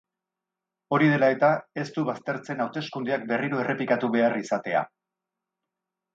Hori dela eta, ez du baztertzen hauteskundeak berriro errepikatu behar izatea.